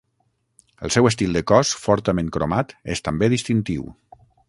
El seu estil de cos fortament cromat és també distintiu.